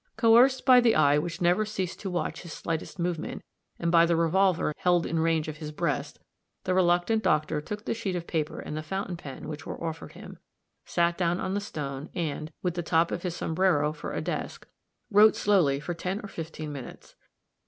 Coerced by the eye which never ceased to watch his slightest movement, and by the revolver held in range of his breast, the reluctant doctor took the sheet of paper and the fountain pen which were offered him, sat down on the stone, and, with the top of his sombrero for a desk, wrote slowly for ten or fifteen minutes.